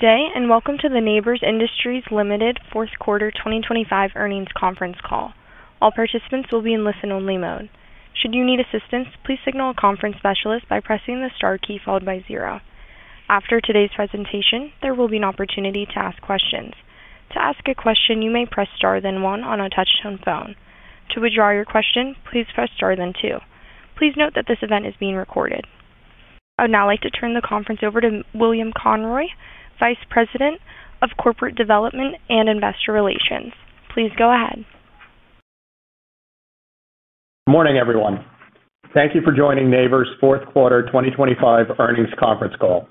Good day, and welcome to the Nabors Industries Limited fourth quarter 2025 earnings conference call. All participants will be in listen-only mode. Should you need assistance, please signal a conference specialist by pressing the star key followed by zero. After today's presentation, there will be an opportunity to ask questions. To ask a question, you may press star then one on a touch-tone phone. To withdraw your question, please press star then two. Please note that this event is being recorded. I would now like to turn the conference over to William Conroy, Vice President of Corporate Development and Investor Relations. Please go ahead. Good morning, everyone. Thank you for joining Nabors' fourth quarter 2025 earnings conference call.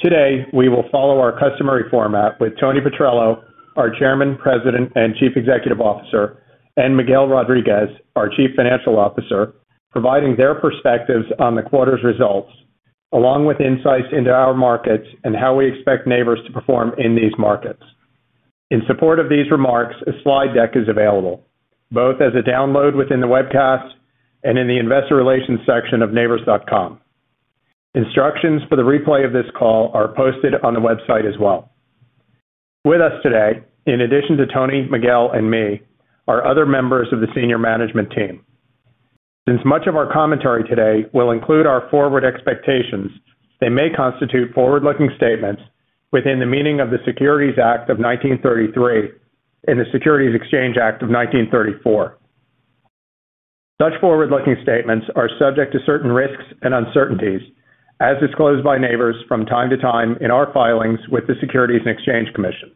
Today, we will follow our customary format with Tony Petrello, our Chairman, President, and Chief Executive Officer, and Miguel Rodriguez, our Chief Financial Officer, providing their perspectives on the quarter's results, along with insights into our markets and how we expect Nabors to perform in these markets. In support of these remarks, a slide deck is available both as a download within the webcast and in the Investor Relations section of nabors.com. Instructions for the replay of this call are posted on the website as well. With us today, in addition to Tony, Miguel, and me, are other members of the senior management team. Since much of our commentary today will include our forward expectations, they may constitute forward-looking statements within the meaning of the Securities Act of 1933 and the Securities Exchange Act of 1934. Such forward-looking statements are subject to certain risks and uncertainties, as disclosed by Nabors from time to time in our filings with the Securities and Exchange Commission.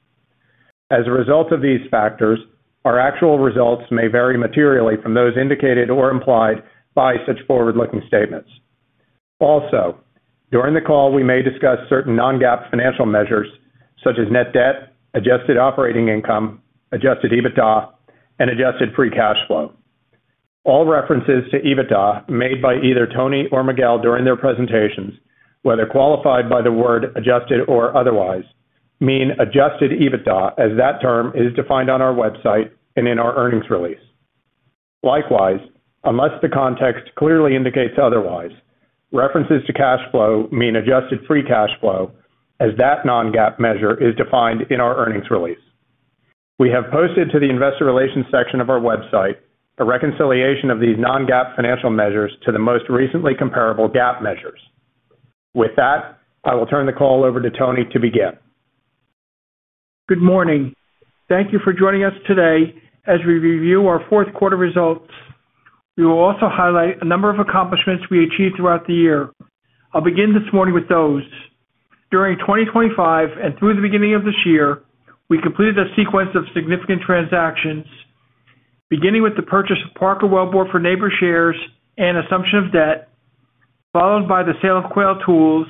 As a result of these factors, our actual results may vary materially from those indicated or implied by such forward-looking statements. Also, during the call, we may discuss certain non-GAAP financial measures such as net debt, adjusted operating income, Adjusted EBITDA, and adjusted free cash flow. All references to EBITDA made by either Tony or Miguel during their presentations, whether qualified by the word adjusted or otherwise, mean Adjusted EBITDA, as that term is defined on our website and in our earnings release. Likewise, unless the context clearly indicates otherwise, references to cash flow mean Adjusted Free Cash Flow, as that non-GAAP measure is defined in our earnings release. We have posted to the Investor Relations section of our website a reconciliation of these non-GAAP financial measures to the most recently comparable GAAP measures. With that, I will turn the call over to Tony to begin. Good morning. Thank you for joining us today as we review our fourth quarter results. We will also highlight a number of accomplishments we achieved throughout the year. I'll begin this morning with those. During 2025 and through the beginning of this year, we completed a sequence of significant transactions, beginning with the purchase of Parker Wellbore for Nabors shares and assumption of debt, followed by the sale of Quail Tools,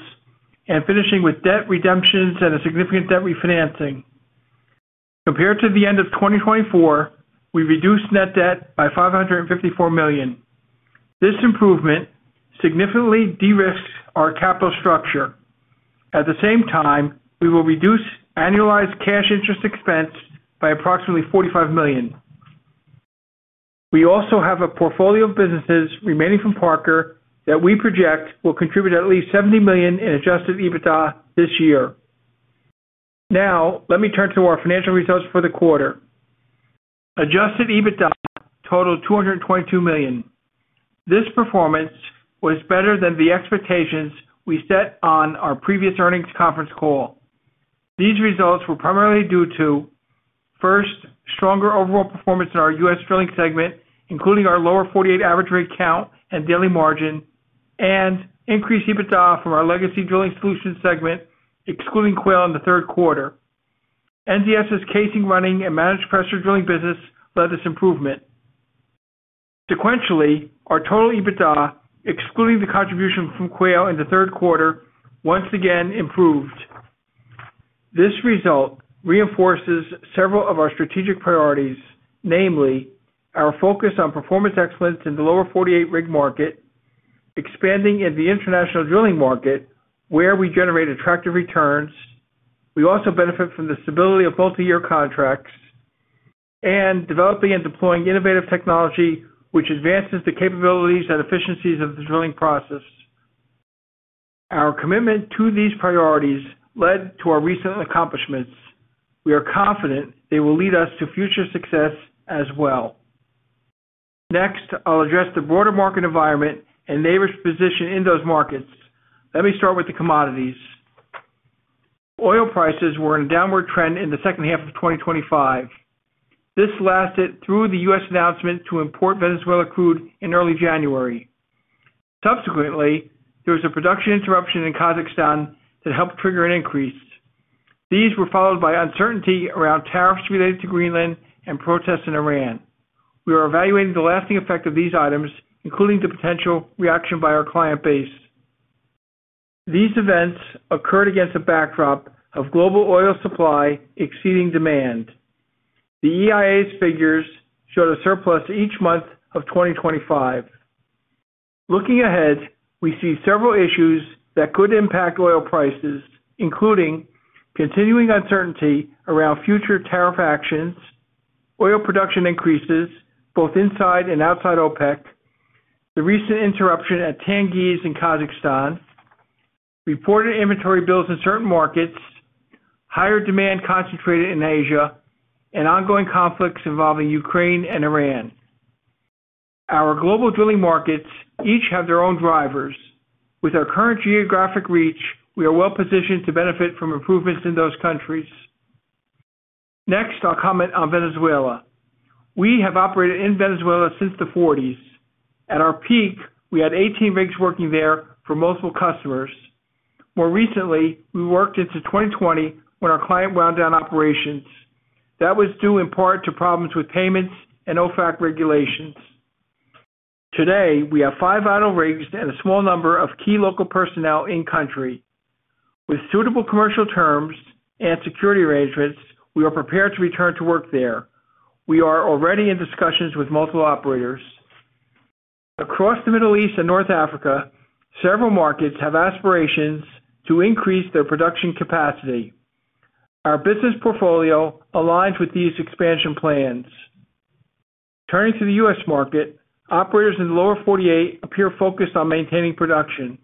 and finishing with debt redemptions and a significant debt refinancing. Compared to the end of 2024, we reduced net debt by $554 million. This improvement significantly de-risks our capital structure. At the same time, we will reduce annualized cash interest expense by approximately $45 million. We also have a portfolio of businesses remaining from Parker that we project will contribute at least $70 million in Adjusted EBITDA this year. Now, let me turn to our financial results for the quarter. Adjusted EBITDA totaled $222 million. This performance was better than the expectations we set on our previous earnings conference call. These results were primarily due to, first, stronger overall performance in our U.S. drilling segment, including our Lower 48 average rig count and daily margin, and increased EBITDA from our legacy Drilling Solutions segment, excluding Quail in the third quarter. NDS's casing running and managed pressure drilling business led this improvement. Sequentially, our total EBITDA, excluding the contribution from Quail in the third quarter, once again improved. This result reinforces several of our strategic priorities, namely our focus on performance excellence in the Lower 48 rig market, expanding in the international drilling market, where we generate attractive returns. We also benefit from the stability of multi-year contracts and developing and deploying innovative technology, which advances the capabilities and efficiencies of the drilling process. Our commitment to these priorities led to our recent accomplishments. We are confident they will lead us to future success as well. Next, I'll address the broader market environment and Nabors' position in those markets. Let me start with the commodities. Oil prices were in a downward trend in the second half of 2025. This lasted through the U.S. announcement to import Venezuela crude in early January. Subsequently, there was a production interruption in Kazakhstan that helped trigger an increase. These were followed by uncertainty around tariffs related to Greenland and protests in Iran. We are evaluating the lasting effect of these items, including the potential reaction by our client base. These events occurred against a backdrop of global oil supply exceeding demand. The EIA's figures showed a surplus each month of 2025. Looking ahead, we see several issues that could impact oil prices, including continuing uncertainty around future tariff actions, oil production increases both inside and outside OPEC, the recent interruption at Tengiz in Kazakhstan, reported inventory builds in certain markets, higher demand concentrated in Asia, and ongoing conflicts involving Ukraine and Iran. Our global drilling markets each have their own drivers. With our current geographic reach, we are well positioned to benefit from improvements in those countries. Next, I'll comment on Venezuela. We have operated in Venezuela since the 1940s. At our peak, we had 18 rigs working there for multiple customers. More recently, we worked into 2020, when our client wound down operations. That was due in part to problems with payments and OFAC regulations. Today, we have five idle rigs and a small number of key local personnel in-country. With suitable commercial terms and security arrangements, we are prepared to return to work there. We are already in discussions with multiple operators. Across the Middle East and North Africa, several markets have aspirations to increase their production capacity. Our business portfolio aligns with these expansion plans. Turning to the U.S. market, operators in the Lower 48 appear focused on maintaining production.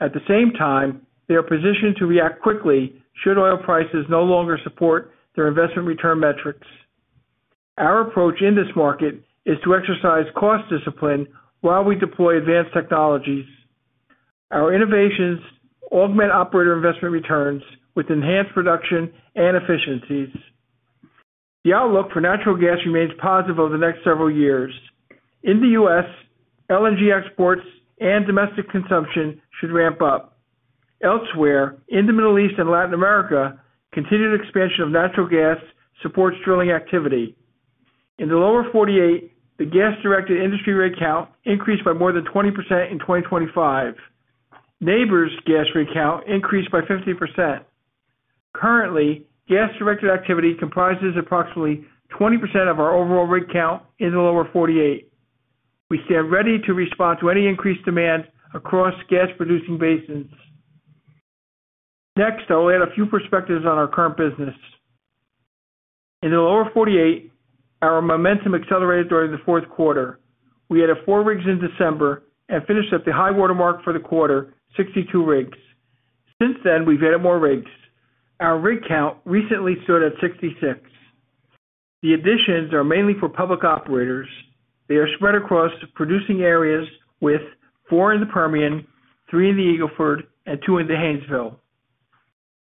At the same time, they are positioned to react quickly should oil prices no longer support their investment return metrics. Our approach in this market is to exercise cost discipline while we deploy advanced technologies. Our innovations augment operator investment returns with enhanced production and efficiencies. The outlook for natural gas remains positive over the next several years. In the U.S., LNG exports and domestic consumption should ramp up. Elsewhere, in the Middle East and Latin America, continued expansion of natural gas supports drilling activity. In the Lower 48, the gas-directed industry rig count increased by more than 20% in 2025. Nabors' gas rig count increased by 50%. Currently, gas-directed activity comprises approximately 20% of our overall rig count in the Lower 48. We stand ready to respond to any increased demand across gas-producing basins. Next, I'll add a few perspectives on our current business. In the Lower 48, our momentum accelerated during the fourth quarter. We added four rigs in December and finished at the high watermark for the quarter, 62 rigs. Since then, we've added more rigs. Our rig count recently stood at 66. The additions are mainly for public operators. They are spread across producing areas with four in the Permian, three in the Eagle Ford, and two in the Haynesville.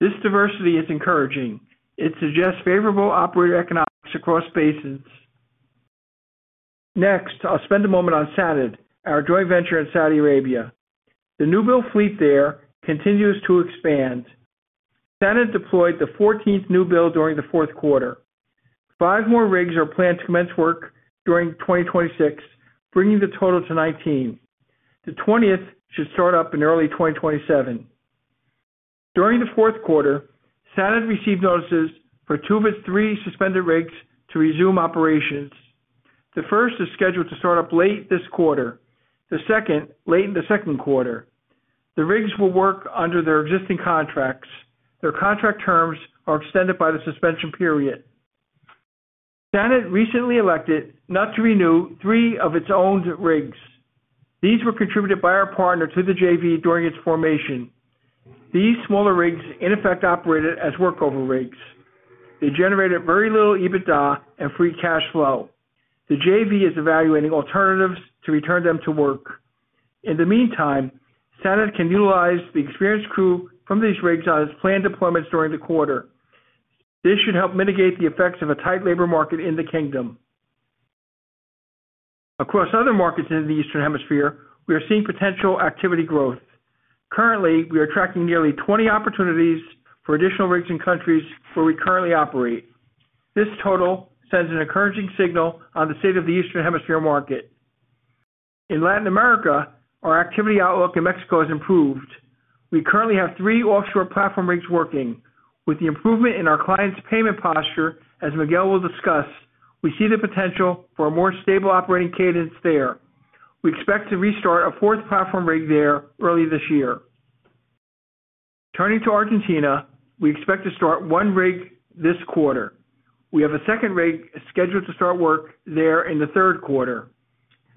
This diversity is encouraging. It suggests favorable operator economics across basins. Next, I'll spend a moment on SANAD, our joint venture in Saudi Arabia. The new-build fleet there continues to expand. SANAD deployed the 14th new build during the fourth quarter. Five more rigs are planned to commence work during 2026, bringing the total to 19. The 20th should start up in early 2027. During the fourth quarter, SANAD received notices for two of its three suspended rigs to resume operations. The first is scheduled to start up late this quarter, the second, late in the second quarter. The rigs will work under their existing contracts. Their contract terms are extended by the suspension period. SANAD recently elected not to renew three of its owned rigs. These were contributed by our partner to the JV during its formation. These smaller rigs, in effect, operated as workover rigs. They generated very little EBITDA and free cash flow. The JV is evaluating alternatives to return them to work. In the meantime, SANAD can utilize the experienced crew from these rigs on its planned deployments during the quarter. This should help mitigate the effects of a tight labor market in the Kingdom. Across other markets in the Eastern Hemisphere, we are seeing potential activity growth. Currently, we are tracking nearly 20 opportunities for additional rigs in countries where we currently operate. This total sends an encouraging signal on the state of the Eastern Hemisphere market. In Latin America, our activity outlook in Mexico has improved. We currently have three offshore platform rigs working. With the improvement in our client's payment posture, as Miguel will discuss, we see the potential for a more stable operating cadence there. We expect to restart a fourth platform rig there early this year. Turning to Argentina, we expect to start one rig this quarter. We have a second rig scheduled to start work there in the third quarter.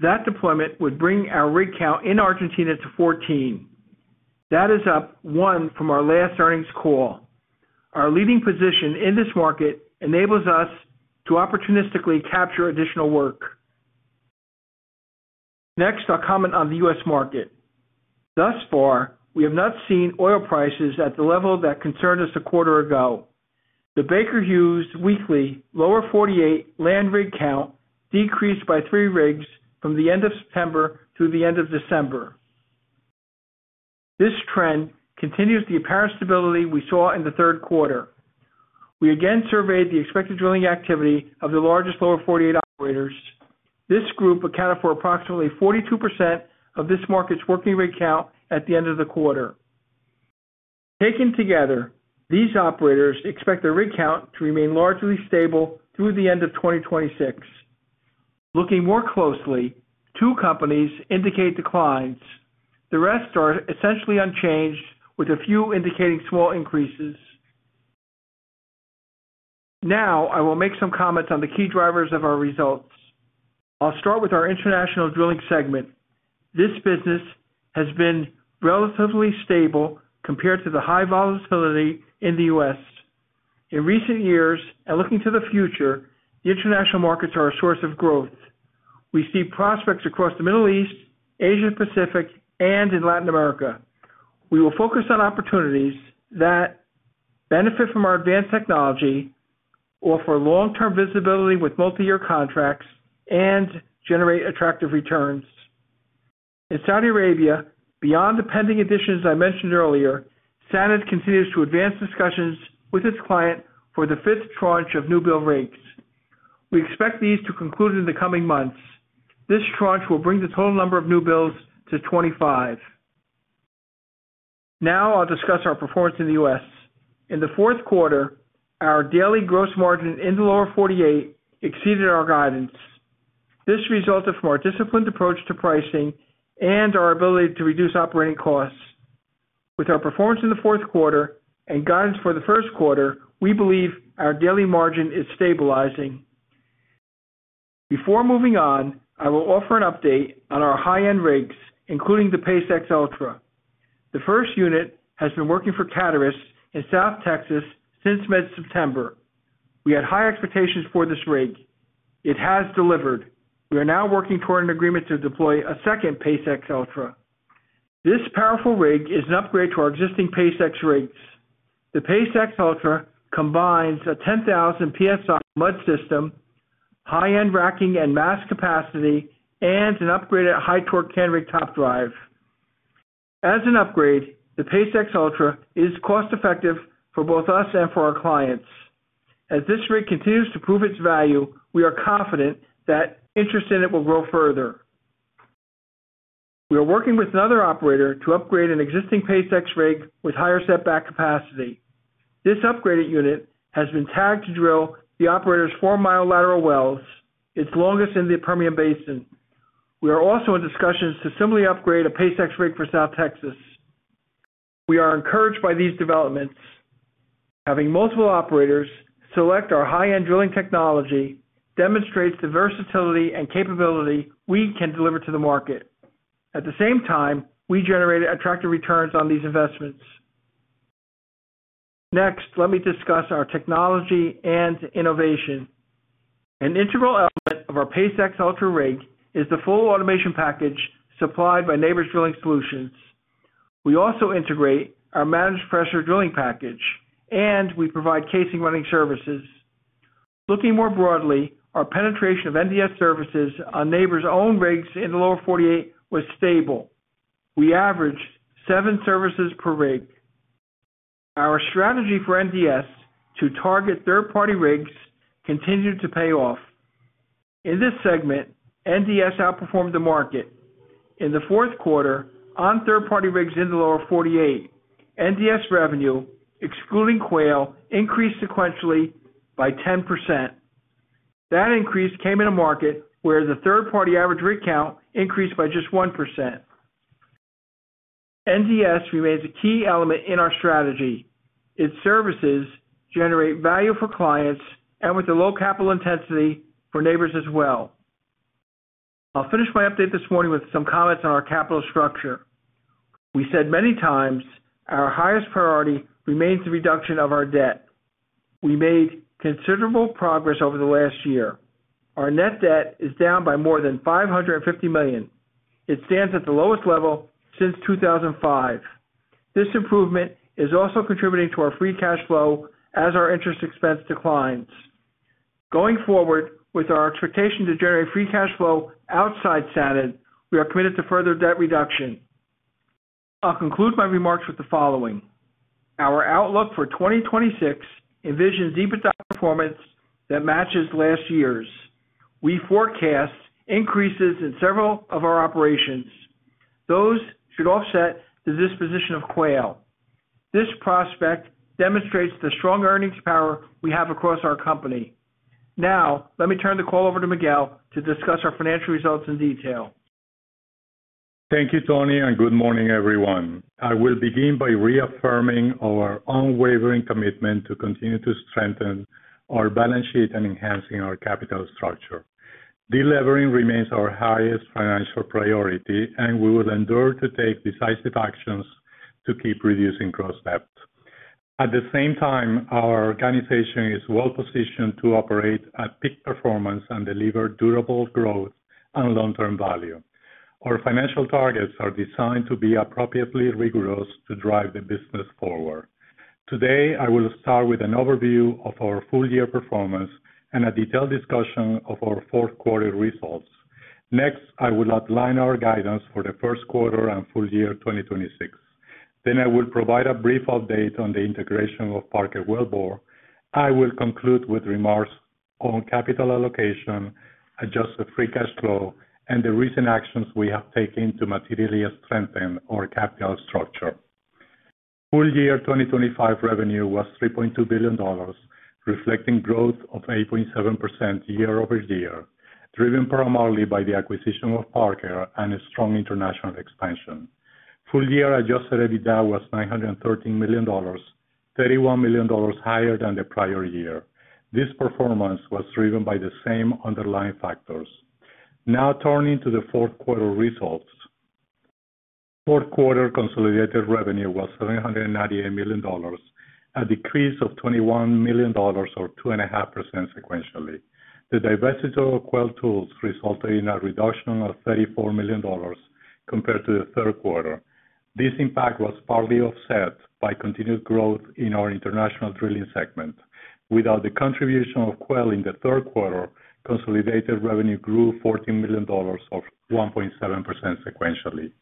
That deployment would bring our rig count in Argentina to 14. That is up one from our last earnings call. Our leading position in this market enables us to opportunistically capture additional work. Next, I'll comment on the U.S. market. Thus far, we have not seen oil prices at the level that concerned us a quarter ago. The Baker Hughes weekly Lower 48 land rig count decreased by three rigs from the end of September through the end of December. This trend continues the apparent stability we saw in the third quarter. We again surveyed the expected drilling activity of the largest Lower 48 operators. This group accounted for approximately 42% of this market's working rig count at the end of the quarter. Taken together, these operators expect their rig count to remain largely stable through the end of 2026. Looking more closely, two companies indicate declines. The rest are essentially unchanged, with a few indicating small increases. Now, I will make some comments on the key drivers of our results. I'll start with our international drilling segment. This business has been relatively stable compared to the high volatility in the U.S. In recent years, and looking to the future, the international markets are a source of growth. We see prospects across the Middle East, Asia Pacific, and in Latin America. We will focus on opportunities that benefit from our advanced technology, offer long-term visibility with multi-year contracts, and generate attractive returns. In Saudi Arabia, beyond the pending additions I mentioned earlier, SANAD continues to advance discussions with its client for the fifth tranche of newbuild rigs. We expect these to conclude in the coming months. This tranche will bring the total number of new builds to 25. Now I'll discuss our performance in the U.S. In the fourth quarter, our daily gross margin in the Lower 48 exceeded our guidance. This resulted from our disciplined approach to pricing and our ability to reduce operating costs. With our performance in the fourth quarter and guidance for the first quarter, we believe our daily margin is stabilizing. Before moving on, I will offer an update on our high-end rigs, including the PACE-X Ultra. The first unit has been working for Coterra in South Texas since mid-September. We had high expectations for this rig. It has delivered. We are now working toward an agreement to deploy a second PACE-X Ultra. This powerful rig is an upgrade to our existing PACE-X rigs. The PACE-X Ultra combines a 10,000 PSI mud system, high-end racking and mast capacity, and an upgraded high-torque Canrig top drive. As an upgrade, the PACE-X Ultra is cost-effective for both us and for our clients. As this rig continues to prove its value, we are confident that interest in it will grow further. We are working with another operator to upgrade an existing PACE-X rig with higher setback capacity. This upgraded unit has been tagged to drill the operator's 4-mi lateral wells, its longest in the Permian Basin. We are also in discussions to similarly upgrade a PACE-X rig for South Texas. We are encouraged by these developments. Having multiple operators select our high-end drilling technology demonstrates the versatility and capability we can deliver to the market. At the same time, we generate attractive returns on these investments. Next, let me discuss our technology and innovation. An integral element of our PACE-X Ultra rig is the full automation package supplied by Nabors Drilling Solutions. We also integrate our managed pressure drilling package, and we provide casing running services. Looking more broadly, our penetration of NDS services on Nabors' own rigs in the Lower 48 was stable. We averaged seven services per rig. Our strategy for NDS to target third-party rigs continued to pay off. In this segment, NDS outperformed the market. In the fourth quarter, on third-party rigs in the Lower 48, NDS revenue, excluding Quail, increased sequentially by 10%. That increase came in a market where the third party average rig count increased by just 1%. NDS remains a key element in our strategy. Its services generate value for clients and with a low capital intensity for Nabors as well. I'll finish my update this morning with some comments on our capital structure. We said many times, our highest priority remains the reduction of our debt. We made considerable progress over the last year. Our net debt is down by more than $550 million. It stands at the lowest level since 2005. This improvement is also contributing to our free cash flow as our interest expense declines. Going forward, with our expectation to generate free cash flow outside SANAD, we are committed to further debt reduction. I'll conclude my remarks with the following: Our outlook for 2026 envisions EBITDA performance that matches last year's. We forecast increases in several of our operations. Those should offset the disposition of Quail. This prospect demonstrates the strong earnings power we have across our company. Now, let me turn the call over to Miguel to discuss our financial results in detail. Thank you, Tony, and good morning, everyone. I will begin by reaffirming our unwavering commitment to continue to strengthen our balance sheet and enhancing our capital structure. Delevering remains our highest financial priority, and we will endeavor to take decisive actions to keep reducing gross debt. At the same time, our organization is well positioned to operate at peak performance and deliver durable growth and long-term value. Our financial targets are designed to be appropriately rigorous to drive the business forward. Today, I will start with an overview of our full-year performance and a detailed discussion of our fourth quarter results. Next, I will outline our guidance for the first quarter and full year 2026. Then I will provide a brief update on the integration of Parker Wellbore. I will conclude with remarks on capital allocation, adjusted free cash flow, and the recent actions we have taken to materially strengthen our capital structure. Full year 2025 revenue was $3.2 billion, reflecting growth of 8.7% year-over-year, driven primarily by the acquisition of Parker and a strong international expansion. Full year Adjusted EBITDA was $913 million, $31 million higher than the prior year. This performance was driven by the same underlying factors. Now turning to the fourth quarter results. Fourth quarter consolidated revenue was $798 million, a decrease of $21 million or 2.5% sequentially. The divestiture of Quail Tools resulted in a reduction of $34 million compared to the third quarter. This impact was partly offset by continued growth in our international drilling segment. Without the contribution of Quail in the third quarter, consolidated revenue grew $14 million, or 1.7% sequentially.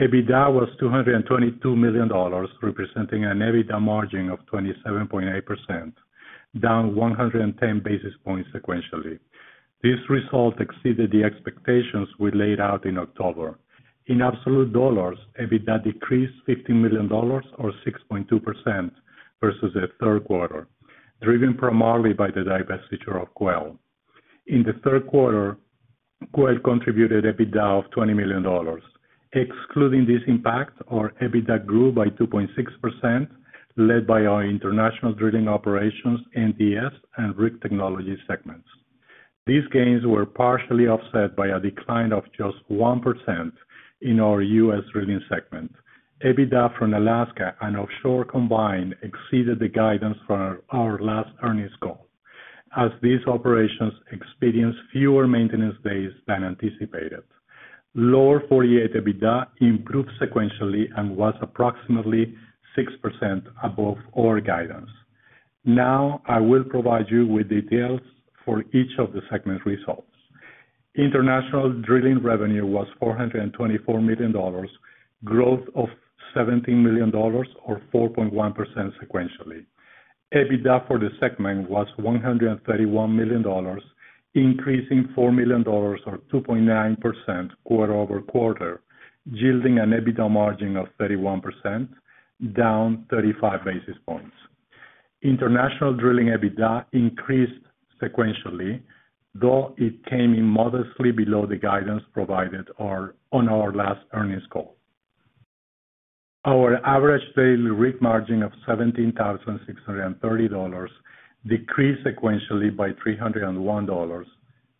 EBITDA was $222 million, representing an EBITDA margin of 27.8%, down 110 basis points sequentially. This result exceeded the expectations we laid out in October. In absolute dollars, EBITDA decreased $15 million or 6.2% versus the third quarter, driven primarily by the divestiture of Quail. In the third quarter, Quail contributed EBITDA of $20 million. Excluding this impact, our EBITDA grew by 2.6%, led by our international drilling operations, NDS, and rig technology segments. These gains were partially offset by a decline of just 1% in our U.S. drilling segment. EBITDA from Alaska and offshore combined exceeded the guidance for our last earnings call, as these operations experienced fewer maintenance days than anticipated. Lower 48 EBITDA improved sequentially and was approximately 6% above our guidance. Now, I will provide you with details for each of the segment's results. International drilling revenue was $424 million, growth of $17 million or 4.1% sequentially. EBITDA for the segment was $131 million, increasing $4 million or 2.9% quarter-over-quarter, yielding an EBITDA margin of 31%, down 35 basis points. International drilling EBITDA increased sequentially, though it came in modestly below the guidance provided on our last earnings call. Our average daily rig margin of $17,630 decreased sequentially by $301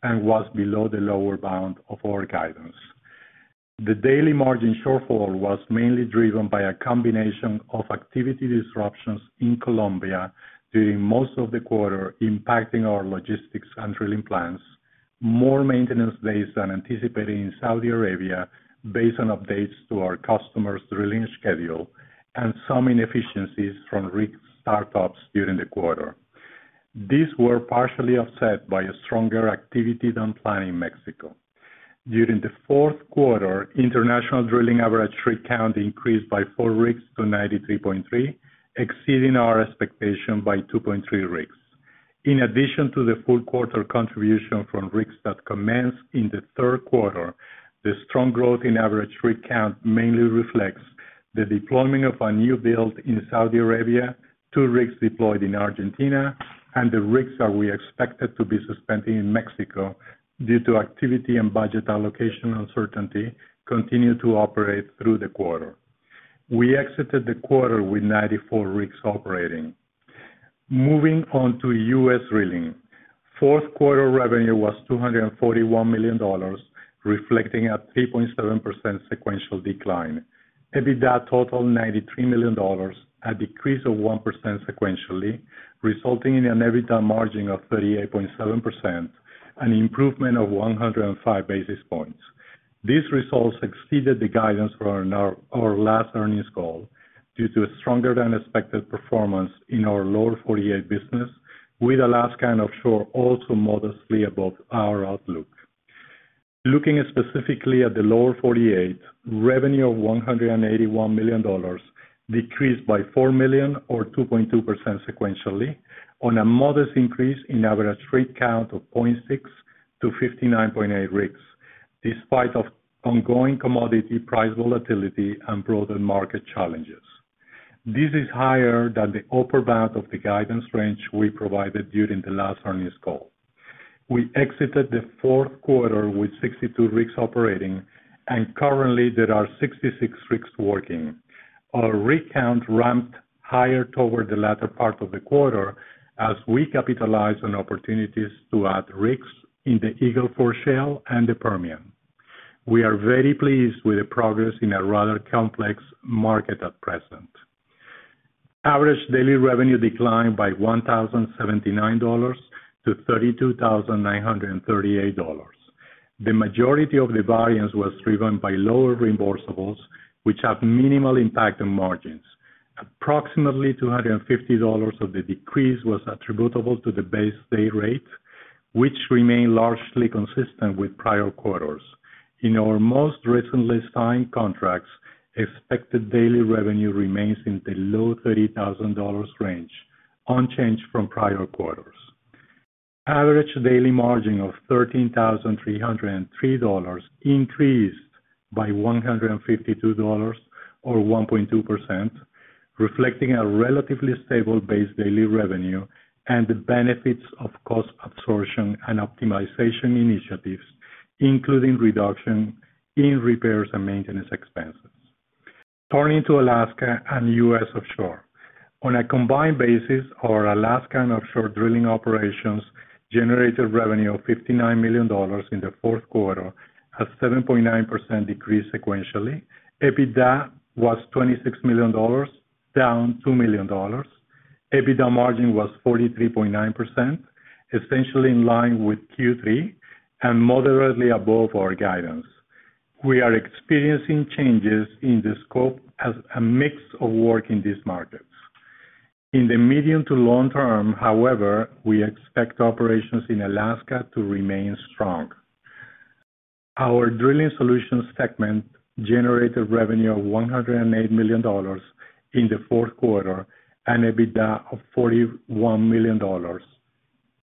and was below the lower bound of our guidance. The daily margin shortfall was mainly driven by a combination of activity disruptions in Colombia during most of the quarter, impacting our logistics and drilling plans, more maintenance days than anticipated in Saudi Arabia based on updates to our customers' drilling schedule, and some inefficiencies from rig startups during the quarter. These were partially offset by a stronger activity than planned in Mexico. During the fourth quarter, international drilling average rig count increased by four rigs to 93.3, exceeding our expectation by two point three rigs. In addition to the full quarter contribution from rigs that commenced in the third quarter, the strong growth in average rig count mainly reflects the deployment of a new build in Saudi Arabia, two rigs deployed in Argentina, and the rigs that we expected to be suspending in Mexico due to activity and budget allocation uncertainty continued to operate through the quarter. We exited the quarter with 94 rigs operating. Moving on to U.S. drilling. Fourth quarter revenue was $241 million, reflecting a 3.7% sequential decline. EBITDA totaled $93 million, a decrease of 1% sequentially, resulting in an EBITDA margin of 38.7%, an improvement of 105 basis points. These results exceeded the guidance for our last earnings call, due to a stronger than expected performance in our Lower 48 business, with Alaska and offshore also modestly above our outlook. Looking specifically at the Lower 48, revenue of $181 million decreased by $4 million or 2.2% sequentially on a modest increase in average rig count of 0.6 to 59.8 rigs, despite ongoing commodity price volatility and broader market challenges. This is higher than the upper bound of the guidance range we provided during the last earnings call. We exited the fourth quarter with 62 rigs operating, and currently there are 66 rigs working. Our rig count ramped higher toward the latter part of the quarter as we capitalized on opportunities to add rigs in the Eagle Ford Shale and the Permian. We are very pleased with the progress in a rather complex market at present. Average daily revenue declined by $1,079 to $32,938. The majority of the variance was driven by lower reimbursables, which have minimal impact on margins. Approximately $250 of the decrease was attributable to the base day rate, which remained largely consistent with prior quarters. In our most recently signed contracts, expected daily revenue remains in the low $30,000 range, unchanged from prior quarters. Average daily margin of $13,303 increased by $152 or 1.2% reflecting a relatively stable base daily revenue and the benefits of cost absorption and optimization initiatives, including reduction in repairs and maintenance expenses. Turning to Alaska and U.S. offshore. On a combined basis, our Alaska and offshore drilling operations generated revenue of $59 million in the fourth quarter, a 7.9% decrease sequentially. EBITDA was $26 million, down $2 million. EBITDA margin was 43.9%, essentially in line with Q3 and moderately above our guidance. We are experiencing changes in the scope as a mix of work in these markets. In the medium to long term, however, we expect operations in Alaska to remain strong. Our Drilling Solutions segment generated revenue of $108 million in the fourth quarter and EBITDA of $41 million,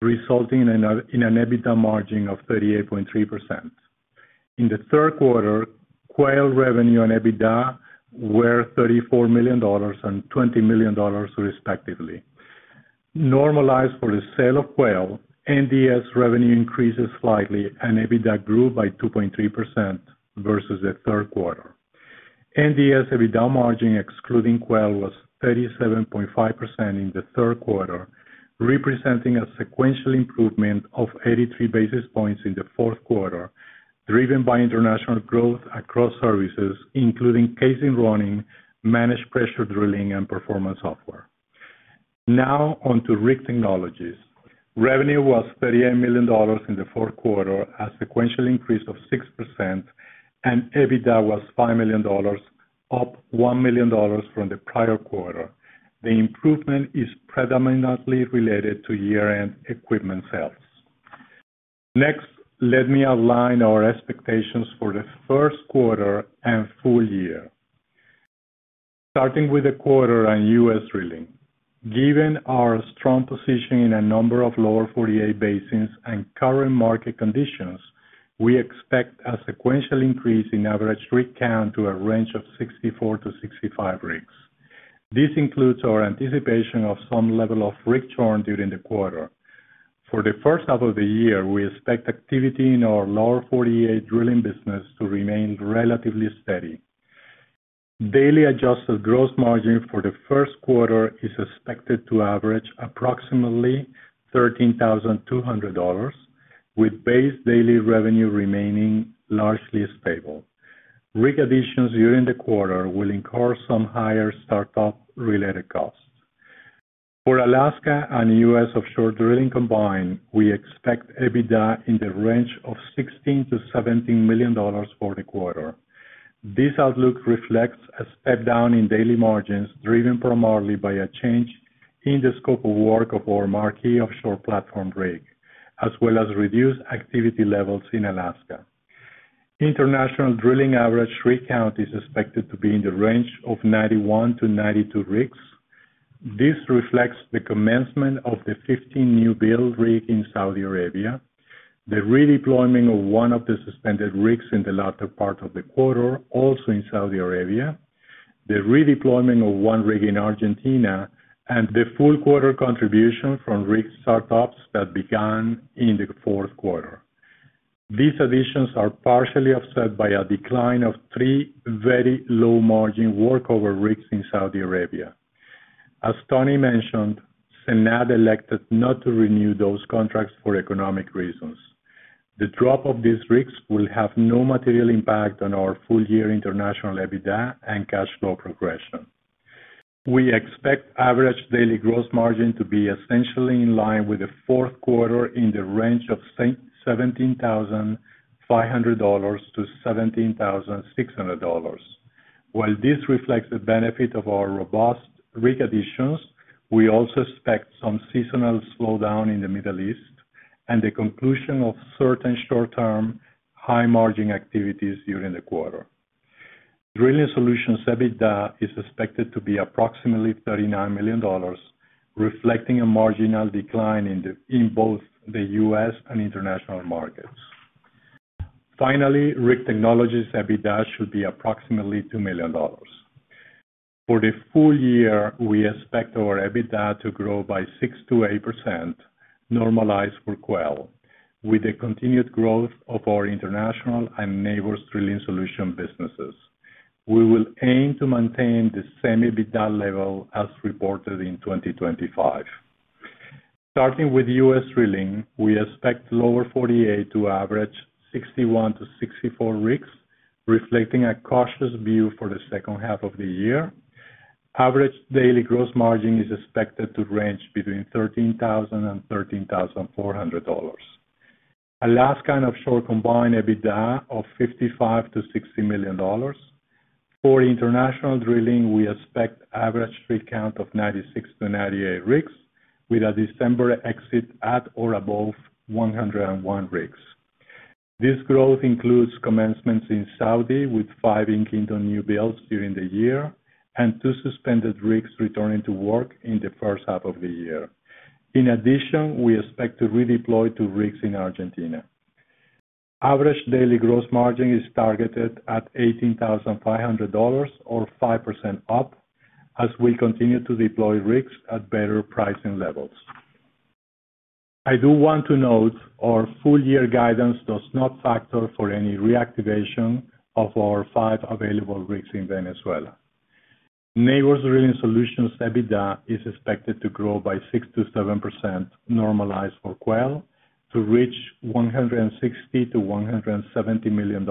resulting in an EBITDA margin of 38.3%. In the third quarter, overall revenue and EBITDA were $34 million and $20 million, respectively. Normalized for the sale of Quail, NDS revenue increases slightly and EBITDA grew by 2.3% versus the third quarter. NDS EBITDA margin, excluding Quail, was 37.5% in the third quarter, representing a sequential improvement of 83 basis points in the fourth quarter, driven by international growth across services, including casing running, managed pressure drilling, and performance software. Now on to Rig Technologies. Revenue was $38 million in the fourth quarter, a sequential increase of 6%, and EBITDA was $5 million, up $1 million from the prior quarter. The improvement is predominantly related to year-end equipment sales. Next, let me outline our expectations for the first quarter and full year. Starting with the quarter on U.S. drilling. Given our strong position in a number of Lower 48 basins and current market conditions, we expect a sequential increase in average rig count to a range of 64 rigs-65 rigs. This includes our anticipation of some level of rig churn during the quarter. For the first half of the year, we expect activity in our Lower 48 drilling business to remain relatively steady. Daily adjusted gross margin for the first quarter is expected to average approximately $13,200, with base daily revenue remaining largely stable. Rig additions during the quarter will incur some higher startup-related costs. For Alaska and U.S. offshore drilling combined, we expect EBITDA in the range of $16 million-$17 million for the quarter. This outlook reflects a step down in daily margins, driven primarily by a change in the scope of work of our marquee offshore platform rig, as well as reduced activity levels in Alaska. International drilling average rig count is expected to be in the range of 91 rigs-92 rigs. This reflects the commencement of the 15 new build rig in Saudi Arabia, the redeployment of one of the suspended rigs in the latter part of the quarter, also in Saudi Arabia, the redeployment of one rig in Argentina, and the full quarter contribution from rig startups that began in the fourth quarter. These additions are partially offset by a decline of three very low-margin workover rigs in Saudi Arabia. As Tony mentioned, SANAD elected not to renew those contracts for economic reasons. The drop of these rigs will have no material impact on our full-year international EBITDA and cash flow progression. We expect average daily gross margin to be essentially in line with the fourth quarter in the range of $17,500-$17,600. While this reflects the benefit of our robust rig additions, we also expect some seasonal slowdown in the Middle East and the conclusion of certain short-term, high-margin activities during the quarter. Drilling Solutions EBITDA is expected to be approximately $39 million, reflecting a marginal decline in both the U.S. and international markets. Finally, Rig Technologies' EBITDA should be approximately $2 million. For the full year, we expect our EBITDA to grow by 6%-8%, normalized for Quail, with the continued growth of our international and Nabors Drilling Solution businesses. We will aim to maintain the same EBITDA level as reported in 2025. Starting with U.S. drilling, we expect Lower 48 to average 61 rigs-64 rigs, reflecting a cautious view for the second half of the year. Average daily gross margin is expected to range between $13,000 and $13,400. Alaska and offshore combined EBITDA of $55 million-$60 million. For international drilling, we expect average rig count of 96 rigs-98 rigs, with a December exit at or above 101 rigs. This growth includes commencements in Saudi, with five in-Kingdom on new builds during the year and two suspended rigs returning to work in the first half of the year. In addition, we expect to redeploy two rigs in Argentina. Average daily gross margin is targeted at $18,500 or 5% up, as we continue to deploy rigs at better pricing levels. I do want to note our full year guidance does not factor for any reactivation of our five available rigs in Venezuela. Nabors Drilling Solutions EBITDA is expected to grow by 6%-7%, normalized for Quail, to reach $160 million-$170 million,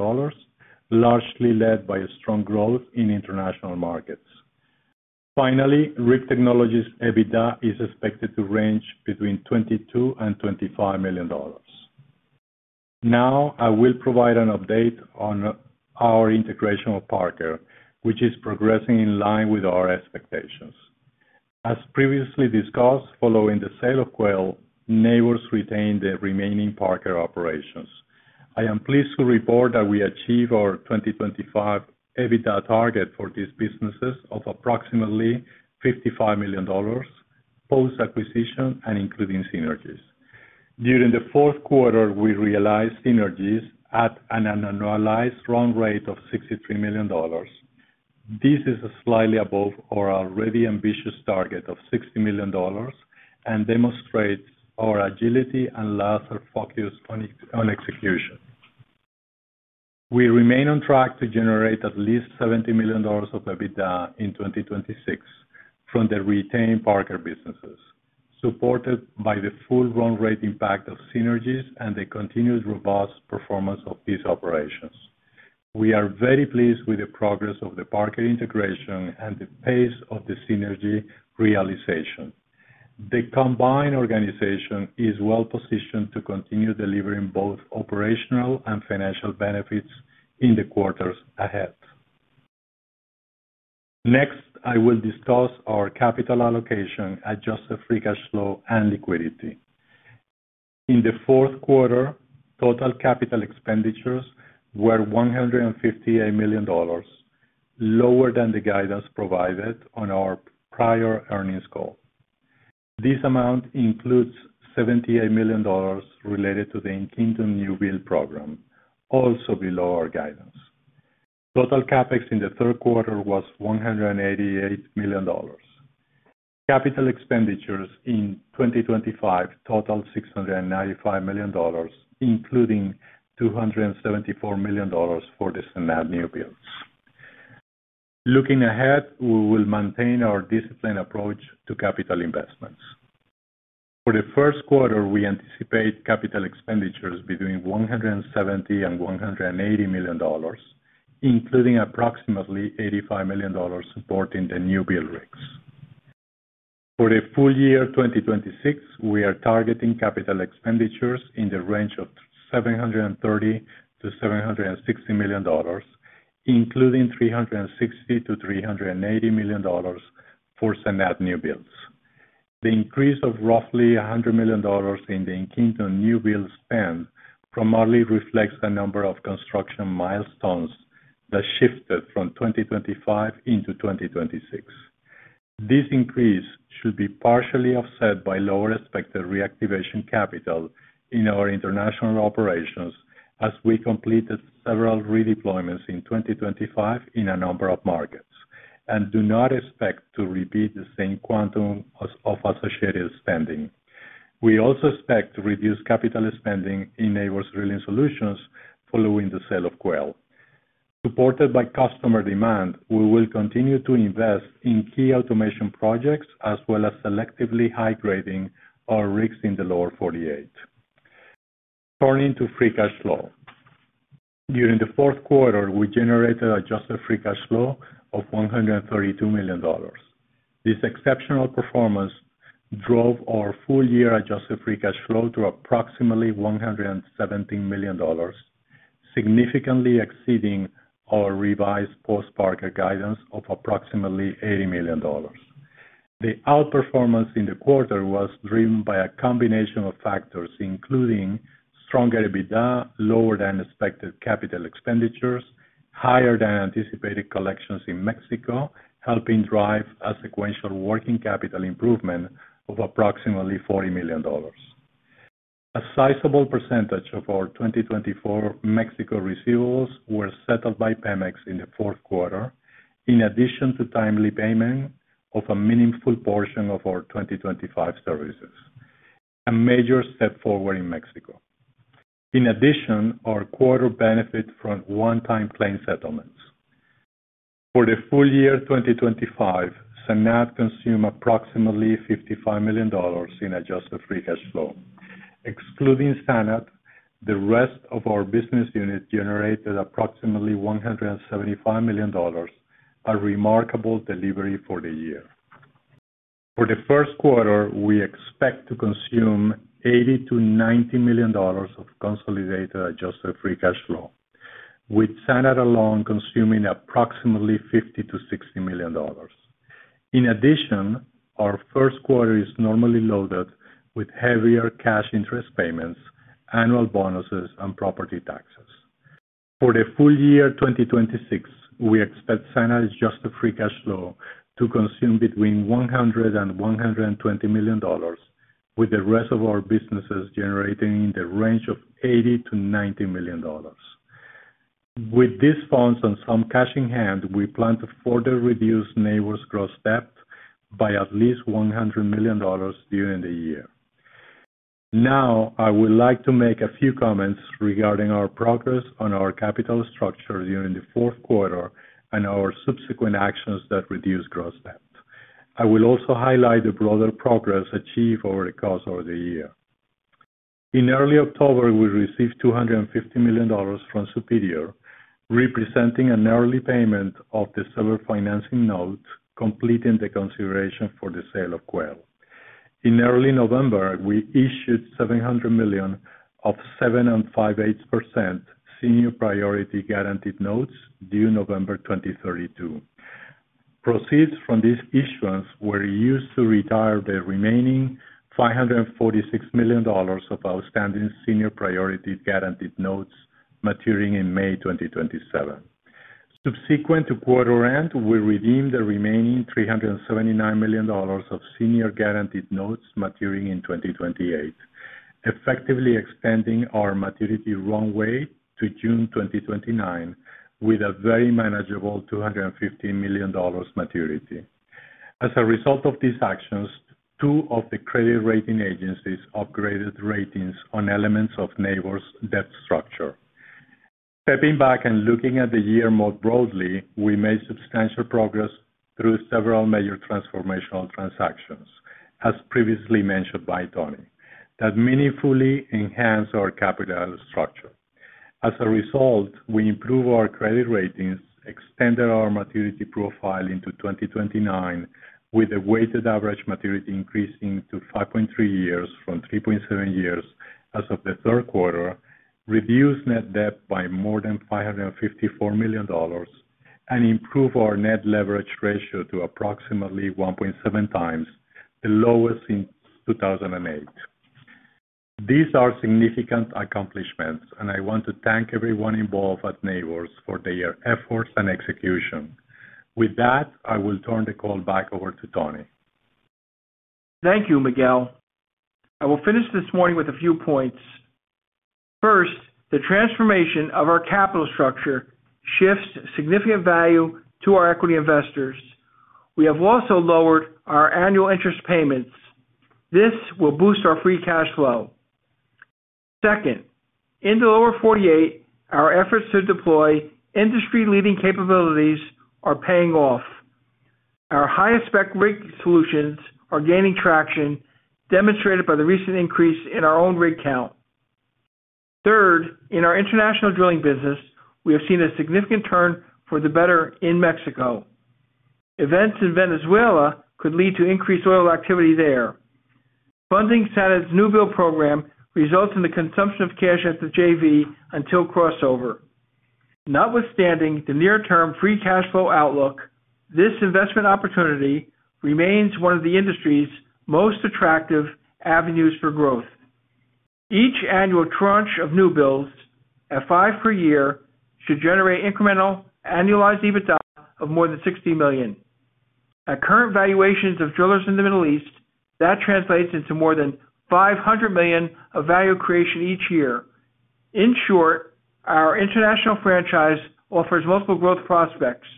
largely led by a strong growth in international markets. Finally, Rig Technologies EBITDA is expected to range between $22 million and $25 million. Now, I will provide an update on our integration with Parker, which is progressing in line with our expectations. As previously discussed, following the sale of Quail, Nabors retained the remaining Parker operations. I am pleased to report that we achieved our 2025 EBITDA target for these businesses of approximately $55 million, post-acquisition and including synergies. During the fourth quarter, we realized synergies at an annualized run rate of $63 million. This is slightly above our already ambitious target of $60 million and demonstrates our agility and laser focus on execution. We remain on track to generate at least $70 million of EBITDA in 2026 from the retained Parker businesses, supported by the full run rate impact of synergies and the continued robust performance of these operations. We are very pleased with the progress of the Parker integration and the pace of the synergy realization. The combined organization is well-positioned to continue delivering both operational and financial benefits in the quarters ahead. Next, I will discuss our capital allocation, adjusted free cash flow, and liquidity. In the fourth quarter, total capital expenditures were $158 million, lower than the guidance provided on our prior earnings call. This amount includes $78 million related to the in-Kingdom new build program, also below our guidance. Total CapEx in the third quarter was $188 million. Capital expenditures in 2025 totaled $695 million, including $274 million for the SANAD new builds. Looking ahead, we will maintain our disciplined approach to capital investments. For the first quarter, we anticipate capital expenditures between $170 million and $180 million, including approximately $85 million supporting the new build rigs. For the full year 2026, we are targeting capital expenditures in the range of $730 million-$760 million, including $360 million-$380 million for SANAD new builds. The increase of roughly $100 million in the SANAD new build spend primarily reflects the number of construction milestones that shifted from 2025 into 2026. This increase should be partially offset by lower expected reactivation capital in our international operations, as we completed several redeployments in 2025 in a number of markets, and do not expect to repeat the same quantum as of associated spending. We also expect to reduce capital spending in Nabors Drilling Solutions following the sale of Quail. Supported by customer demand, we will continue to invest in key automation projects, as well as selectively high-grading our rigs in the Lower 48. Turning to free cash flow. During the fourth quarter, we generated adjusted free cash flow of $132 million. This exceptional performance drove our full-year adjusted free cash flow to approximately $117 million, significantly exceeding our revised post-Parker guidance of approximately $80 million. The outperformance in the quarter was driven by a combination of factors, including stronger EBITDA, lower-than-expected capital expenditures, higher-than-anticipated collections in Mexico, helping drive a sequential working capital improvement of approximately $40 million. A sizable percentage of our 2024 Mexico receivables were settled by Pemex in the fourth quarter, in addition to timely payment of a meaningful portion of our 2025 services, a major step forward in Mexico. In addition, our quarter benefit from one-time claim settlements. For the full year 2025, SANAD consumed approximately $55 million in Adjusted Free Cash Flow. Excluding SANAD, the rest of our business units generated approximately $175 million, a remarkable delivery for the year. For the first quarter, we expect to consume $80 million-$90 million of consolidated Adjusted Free Cash Flow, with SANAD alone consuming approximately $50 million-$60 million. In addition, our first quarter is normally loaded with heavier cash interest payments, annual bonuses, and property taxes. For the full year 2026, we expect SANAD's Adjusted Free Cash Flow to consume between $100 million and $120 million, with the rest of our businesses generating in the range of $80 million-$90 million. With these funds and some cash in hand, we plan to further reduce Nabors' gross debt by at least $100 million during the year. Now, I would like to make a few comments regarding our progress on our capital structure during the fourth quarter and our subsequent actions that reduce gross debt. I will also highlight the broader progress achieved over the course of the year. In early October, we received $250 million from Superior, representing an early payment of the senior financing notes, completing the consideration for the sale of Quail. In early November, we issued $700 million of 5/8% senior priority guaranteed notes due November 2032. Proceeds from this issuance were used to retire the remaining $546 million of outstanding senior priority guaranteed notes maturing in May 2027. Subsequent to quarter end, we redeemed the remaining $379 million of senior guaranteed notes maturing in 2028, effectively extending our maturity runway to June 2029, with a very manageable $250 million maturity. As a result of these actions, two of the credit rating agencies upgraded ratings on elements of Nabors' debt structure. Stepping back and looking at the year more broadly, we made substantial progress through several major transformational transactions, as previously mentioned by Tony, that meaningfully enhanced our capital structure. As a result, we improved our credit ratings, extended our maturity profile into 2029, with a weighted average maturity increasing to five point three years from three point seven years as of the third quarter, reduced net debt by more than $554 million, and improved our net leverage ratio to approximately 1.7x, the lowest since 2008. These are significant accomplishments, and I want to thank everyone involved at Nabors for their efforts and execution. With that, I will turn the call back over to Tony. Thank you, Miguel. I will finish this morning with a few points. First, the transformation of our capital structure shifts significant value to our equity investors. We have also lowered our annual interest payments. This will boost our free cash flow. Second, in the Lower 48, our efforts to deploy industry-leading capabilities are paying off. Our highest spec rig solutions are gaining traction, demonstrated by the recent increase in our own rig count. Third, in our international drilling business, we have seen a significant turn for the better in Mexico. Events in Venezuela could lead to increased oil activity there. Funding SANAD's new build program results in the consumption of cash at the JV until crossover. Notwithstanding the near-term free cash flow outlook, this investment opportunity remains one of the industry's most attractive avenues for growth. Each annual tranche of new builds, at five per year, should generate incremental annualized EBITDA of more than $60 million. At current valuations of drillers in the Middle East, that translates into more than $500 million of value creation each year. In short, our international franchise offers multiple growth prospects.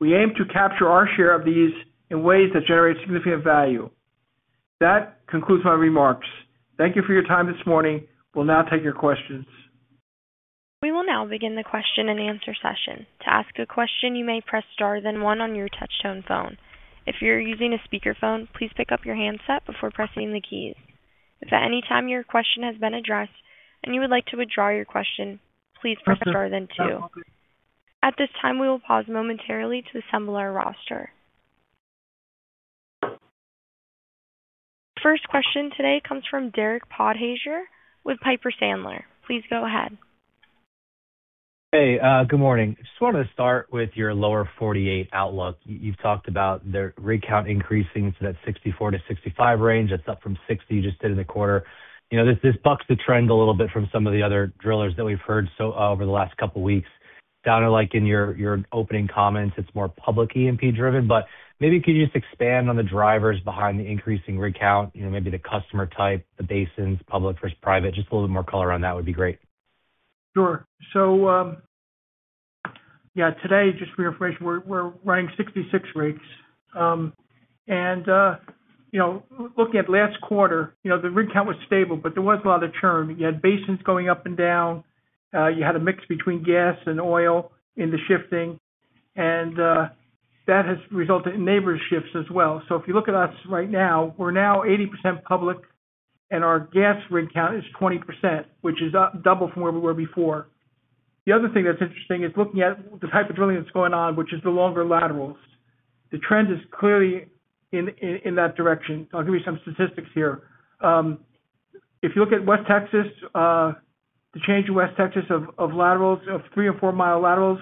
We aim to capture our share of these in ways that generate significant value. That concludes my remarks. Thank you for your time this morning. We'll now take your questions. We will now begin the question-and-answer session. To ask a question, you may press star, then one on your touchtone phone. If you're using a speakerphone, please pick up your handset before pressing the keys. If at any time your question has been addressed and you would like to withdraw your question, please press star then two. At this time, we will pause momentarily to assemble our roster. First question today comes from Derek Podhaizer with Piper Sandler. Please go ahead. Hey, good morning. Just wanted to start with your Lower 48 outlook. You've talked about the rig count increasing to that 64-65 range. That's up from 60 rigs you just did in the quarter. You know, this bucks the trend a little bit from some of the other drillers that we've heard so, over the last couple of weeks. Sounded like in your opening comments, it's more public E&P driven, but maybe you could just expand on the drivers behind the increasing rig count, you know, maybe the customer type, the basins, public versus private. Just a little bit more color on that would be great. Sure. So, yeah, today, just to refresh, we're running 66 rigs. You know, looking at last quarter, you know, the rig count was stable, but there was a lot of churn. You had basins going up and down, you had a mix between gas and oil in the shifting, and that has resulted in Nabors shifts as well. So if you look at us right now, we're now 80% public, and our gas rig count is 20%, which is up double from where we were before. The other thing that's interesting is looking at the type of drilling that's going on, which is the longer laterals. The trend is clearly in that direction. I'll give you some statistics here. If you look at West Texas, the change in West Texas of laterals, of three- or four-mile laterals,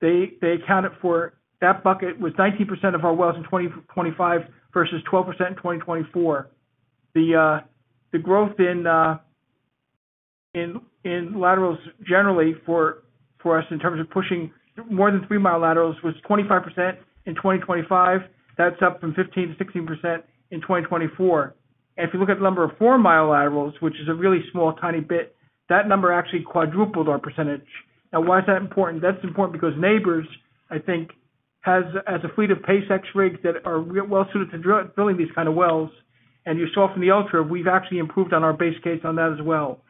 they accounted for that bucket with 19% of our wells in 2025 versus 12% in 2024. The growth in laterals generally for us in terms of pushing more than three-mile laterals was 25% in 2025. That's up from 15%-16% in 2024. And if you look at the number of four-mile laterals, which is a really small, tiny bit, that number actually quadrupled our percentage. Now, why is that important? That's important because Nabors, I think, has a fleet of PACE-X rigs that are real well suited to drilling these kind of wells. And you saw from the Ultra, we've actually improved on our base case on that as well.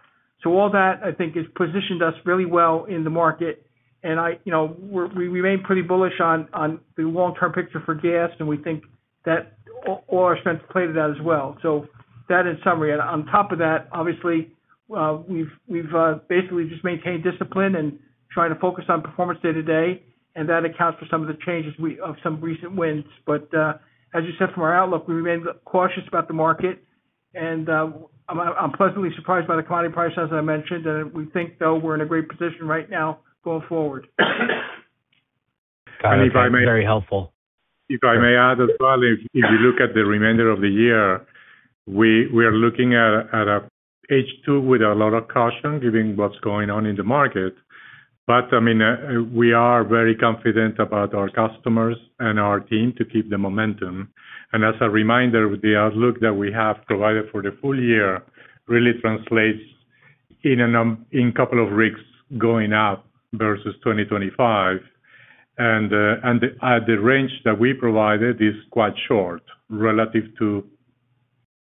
So all that, I think, has positioned us really well in the market. And you know, we remain pretty bullish on the long-term picture for gas, and we think that all our strengths play to that as well. So that in summary. And on top of that, obviously, we've basically just maintained discipline and trying to focus on performance day-to-day, and that accounts for some of the changes of some recent wins. But as you said, from our outlook, we remain cautious about the market. And I'm pleasantly surprised by the commodity price, as I mentioned, and we think, though, we're in a great position right now going forward. Got it. Very helpful. If I may add as well, if you look at the remainder of the year, we are looking at a H2 with a lot of caution, given what's going on in the market. But, I mean, we are very confident about our customers and our team to keep the momentum. And as a reminder, the outlook that we have provided for the full year really translates in a couple of rigs going up versus 2025. And the range that we provided is quite short relative to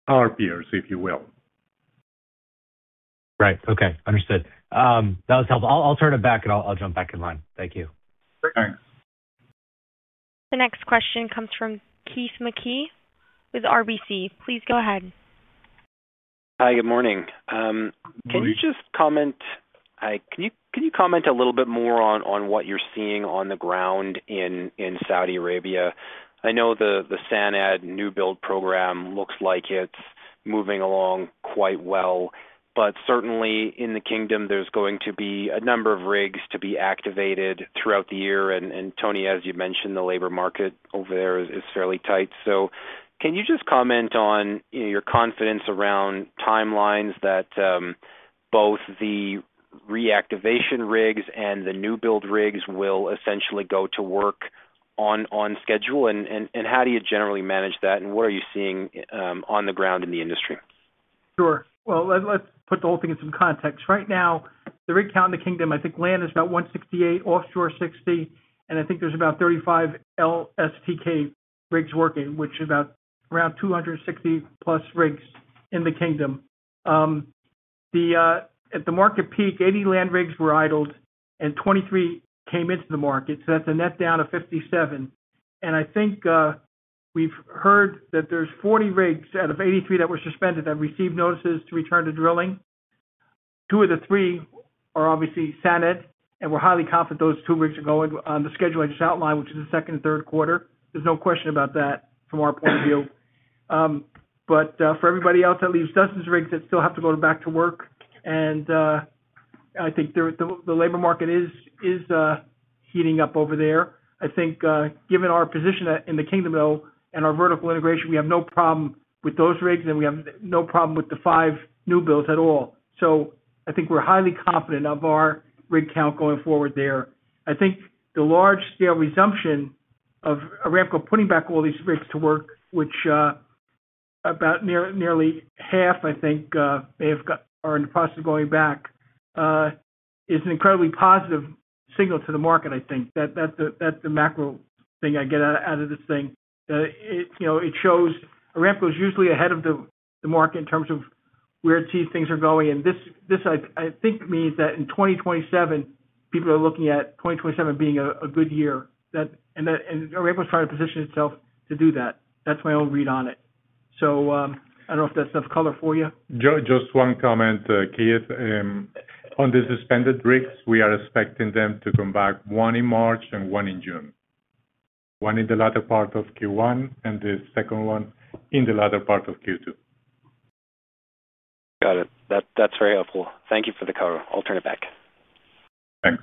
our peers, if you will. Right. Okay, understood. That was helpful. I'll turn it back and I'll jump back in line. Thank you. Thanks. The next question comes from Keith Mackey with RBC. Please go ahead. Hi, good morning. Can you comment a little bit more on what you're seeing on the ground in Saudi Arabia? I know the SANAD new build program looks like it's moving along quite well, but certainly in the Kingdom, there's going to be a number of rigs to be activated throughout the year. And Tony, as you mentioned, the labor market over there is fairly tight. So can you just comment on, you know, your confidence around timelines that both the reactivation rigs and the new build rigs will essentially go to work on schedule? And how do you generally manage that, and what are you seeing on the ground in the industry? Sure. Well, let's put the whole thing in some context. Right now, the rig count in the Kingdom, I think land is about 168 rigs, offshore, 60 rigs, and I think there's about 35 LSTK rigs working, which is about around 260+ rigs in the Kingdom. At the market peak, 80 land rigs were idled and 23 rigs came into the market, so that's a net down of 57 rigs. And I think, we've heard that there's 40 rigs out of 83 rigs that were suspended, that received notices to return to drilling. Two of the three are obviously SANAD, and we're highly confident those two rigs are going on the schedule I just outlined, which is the second and third quarter. There's no question about that from our point of view. But for everybody else, that leaves dozens of rigs that still have to go back to work. And I think the labor market is heating up over there. I think given our position in the Kingdom, though, and our vertical integration, we have no problem with those rigs, and we have no problem with the five new builds at all. So I think we're highly confident of our rig count going forward there. I think the large-scale resumption of Aramco putting back all these rigs to work, which about nearly half, I think, are in the process of going back is an incredibly positive signal to the market, I think. That's the macro thing I get out of this thing. You know, it shows Aramco is usually ahead of the market in terms of where it sees things are going. And this I think means that in 2027, people are looking at 2027 being a good year. And Aramco is trying to position itself to do that. That's my own read on it. So, I don't know if that's enough color for you. Just one comment, Keith. On the suspended rigs, we are expecting them to come back, one in March and one in June. One in the latter part of Q1, and the second one in the latter part of Q2. Got it. That, that's very helpful. Thank you for the color. I'll turn it back. Thanks.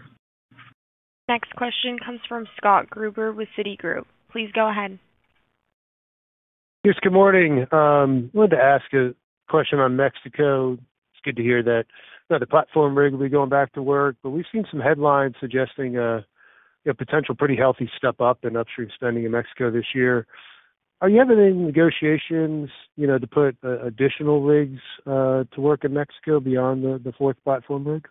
Next question comes from Scott Gruber with Citigroup. Please go ahead. Yes, good morning. I wanted to ask a question on Mexico. It's good to hear that, you know, the platform rig will be going back to work, but we've seen some headlines suggesting a potential pretty healthy step up in upstream spending in Mexico this year. Are you having any negotiations, you know, to put additional rigs to work in Mexico beyond the fourth platform rig?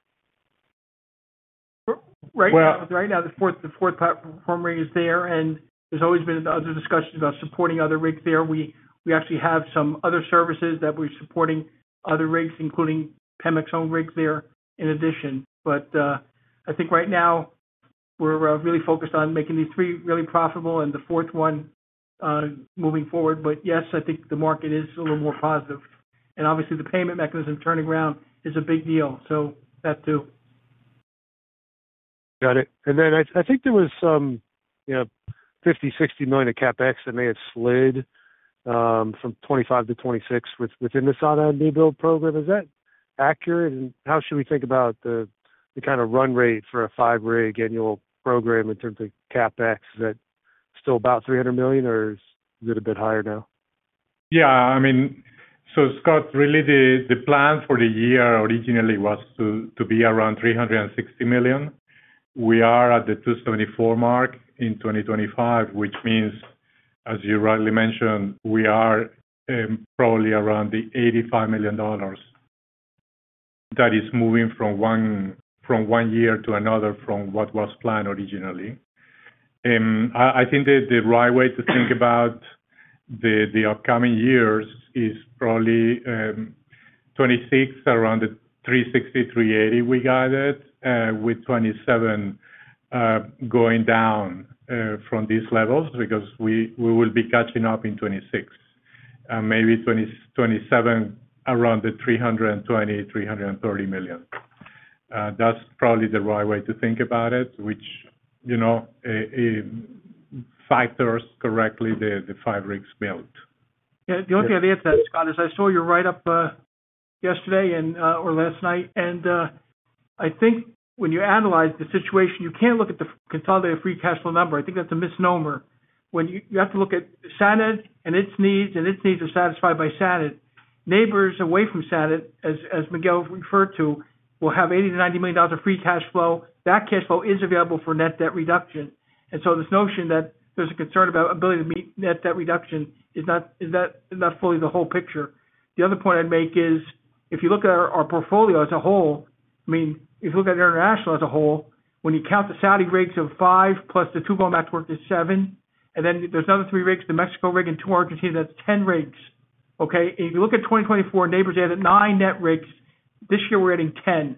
Right now, right now, the fourth platform rig is there, and there's always been other discussions about supporting other rigs there. We actually have some other services that we're supporting other rigs, including Pemex-owned rigs there in addition. But I think right now we're really focused on making these three really profitable and the fourth one moving forward. But yes, I think the market is a little more positive. And obviously, the payment mechanism turning around is a big deal, so that too. Got it. And then I think there was some, you know, $50 million-$60 million of CapEx that may have slid from 2025 to 2026 within the SANAD new build program. Is that accurate? And how should we think about the kind of run rate for a five-rig annual program in terms of CapEx that. Still about $300 million or is it a bit higher now? Yeah, I mean, so Scott, really the plan for the year originally was to be around $360 million. We are at the $274 million mark in 2025, which means, as you rightly mentioned, we are probably around the $85 million that is moving from one year to another from what was planned originally. I think that the right way to think about the upcoming years is probably 2026, around the $360 million-$380 million we guided, with 2027 going down from these levels because we will be catching up in 2026. Maybe 2027, around the $320 million-$330 million. That's probably the right way to think about it, which, you know, factors correctly the five rigs built. Yeah, the only thing I'd add to that, Scott, is I saw your write-up yesterday and, or last night, and I think when you analyze the situation, you can't look at the consolidated free cash flow number. I think that's a misnomer. You have to look at SANAD and its needs, and its needs are satisfied by SANAD. Nabors away from SANAD, as Miguel referred to, will have $80 million-$90 million of free cash flow. That cash flow is available for net debt reduction. And so this notion that there's a concern about ability to meet net debt reduction is not fully the whole picture. The other point I'd make is, if you look at our portfolio as a whole, I mean, if you look at international as a whole, when you count the Saudi rigs of five plus the two going back to work, that's seven. And then there's another three rigs, the Mexico rig and two Argentina, that's 10 rigs. Okay, if you look at 2024, Nabors ended nine net rigs. This year, we're ending 10.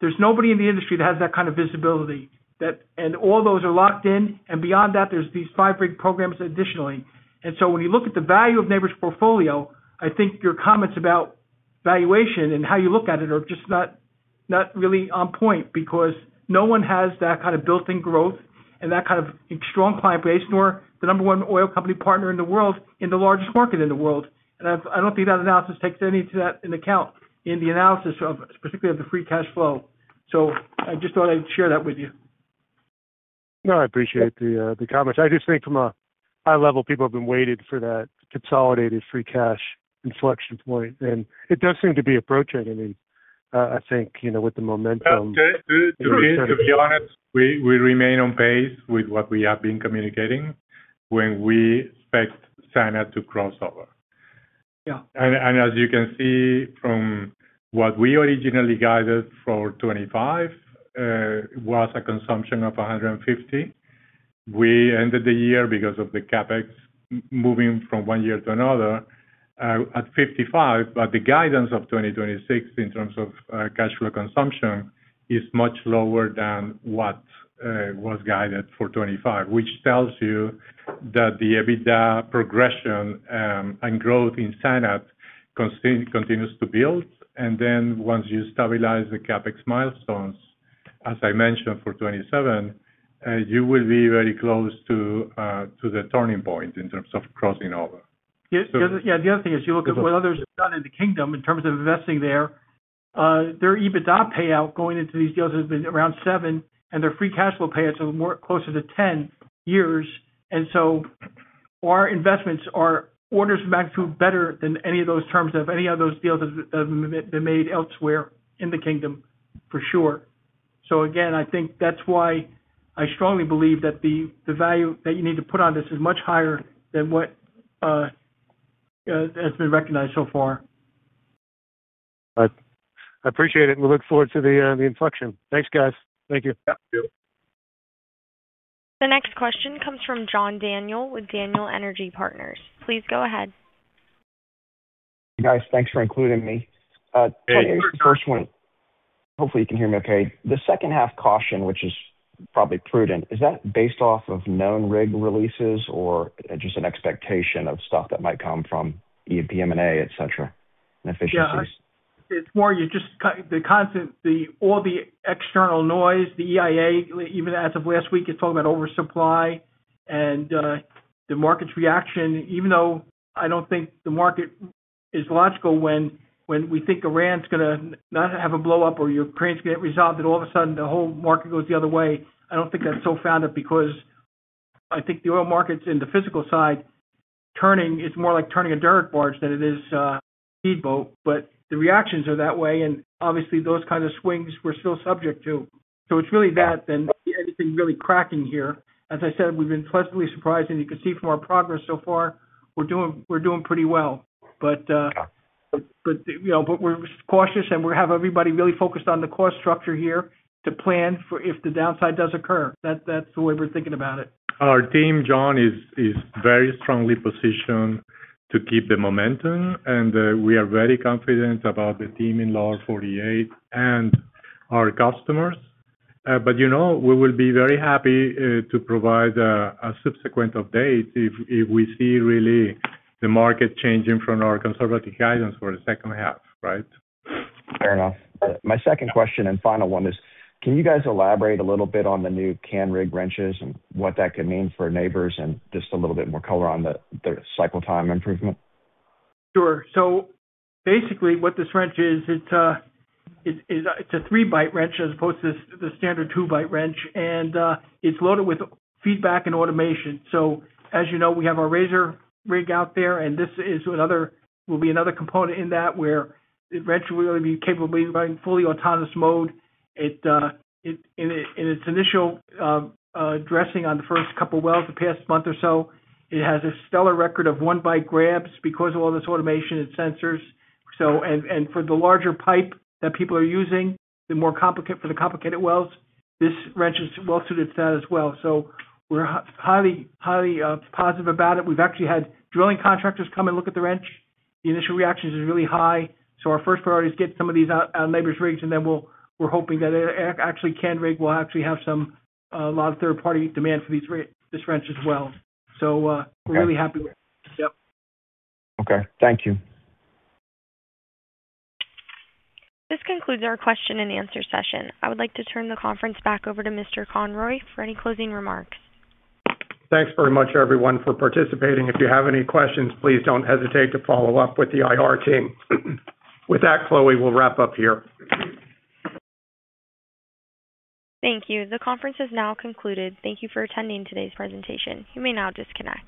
There's nobody in the industry that has that kind of visibility. And all those are locked in, and beyond that, there's these five rig programs additionally. And so when you look at the value of Nabors' portfolio, I think your comments about valuation and how you look at it are just not, not really on point, because no one has that kind of built-in growth and that kind of strong client base, nor the number one oil company partner in the world, in the largest market in the world. And I've, I don't think that analysis takes any of that into account in the analysis of, particularly of the free cash flow. So I just thought I'd share that with you. No, I appreciate the comments. I just think from a high level, people have been waiting for that consolidated free cash inflection point, and it does seem to be approaching. I mean, I think, you know, with the momentum- To be honest, we remain on pace with what we have been communicating when we expect SANAD to cross over. Yeah. And as you can see from what we originally guided for 2025 was a consumption of $150. We ended the year because of the CapEx moving from one year to another at $55, but the guidance of 2026 in terms of cash flow consumption is much lower than what was guided for 2025. Which tells you that the EBITDA progression and growth in SANAD continues to build. And then once you stabilize the CapEx milestones, as I mentioned, for 2027, you will be very close to the turning point in terms of crossing over. Yeah. The other thing is, you look at what others have done in the Kingdom in terms of investing there, their EBITDA payout going into these deals has been around seven, and their free cash flow payouts are more closer to 10 years. And so our investments are orders of magnitude better than any of those terms, of any of those deals that have, have been made elsewhere in the Kingdom, for sure. So again, I think that's why I strongly believe that the, the value that you need to put on this is much higher than what has been recognized so far. I appreciate it, and we look forward to the inflection. Thanks, guys. Thank you. Yeah, thank you. The next question comes from John Daniel with Daniel Energy Partners. Please go ahead. Guys, thanks for including me. The first one... Hopefully, you can hear me okay. The second half caution, which is probably prudent, is that based off of known rig releases or just an expectation of stuff that might come from M&A, et cetera, and efficiencies. Yeah. It's more you just the constant, the, all the external noise, the EIA, even as of last week, it's talking about oversupply and the market's reaction. Even though I don't think the market is logical, when we think Iran's gonna not have a blow up or Ukraine's gonna get resolved, and all of a sudden the whole market goes the other way, I don't think that's so founded because I think the oil markets in the physical side, turning, is more like turning a derrick barge than it is a speedboat, but the reactions are that way, and obviously, those kind of swings we're still subject to. So it's really that than anything really cracking here. As I said, we've been pleasantly surprised, and you can see from our progress so far, we're doing, we're doing pretty well. But you know, but we're cautious, and we have everybody really focused on the cost structure here to plan for if the downside does occur. That's the way we're thinking about it. Our team, John, is very strongly positioned to keep the momentum, and we are very confident about the team in Lower 48 and our customers. But you know, we will be very happy to provide a subsequent update if we see really the market changing from our conservative guidance for the second half, right? Fair enough. My second question and final one is, can you guys elaborate a little bit on the new Canrig wrenches and what that could mean for Nabors? And just a little bit more color on the cycle time improvement. Sure. So basically, what this wrench is, it's a three-bite wrench as opposed to the standard two-bite wrench, and it's loaded with feedback and automation. So as you know, we have our RZR rig out there, and this is another, will be another component in that, where the wrench will be capable of running fully autonomous mode. It, in its initial addressing on the first couple of wells the past month or so, it has a stellar record of one-bite grabs because of all this automation and sensors. So, and for the larger pipe that people are using, for the complicated wells, this wrench is well-suited to that as well. So we're highly, highly positive about it. We've actually had drilling contractors come and look at the wrench. The initial reactions is really high, so our first priority is to get some of these out on Nabors rigs, and then we're hoping that actually, Canrig will actually have some a lot of third-party demand for these this wrench as well. So, we're really happy with it. Yep. Okay, thank you. This concludes our question and answer session. I would like to turn the conference back over to Mr. Conroy for any closing remarks. Thanks very much, everyone, for participating. If you have any questions, please don't hesitate to follow up with the IR team. With that, Chloe, we'll wrap up here. Thank you. The conference is now concluded. Thank you for attending today's presentation. You may now disconnect.